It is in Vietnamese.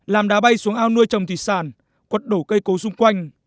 làm đá bay xuống ao nuôi trồng thị xản quất đổ cây cố xung quanh